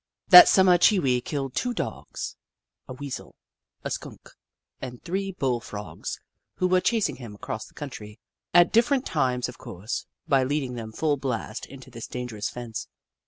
That summer Chee Wee killed two Dogs, a Weasel, a Skunk, and three Bull Frogs, who were chasing him across the country, at dif ferent times, of course, by leading them full blast into this dangerous fence.